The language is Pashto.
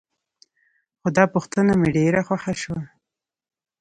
خو دا پوښتنه مې ډېره خوښه شوه.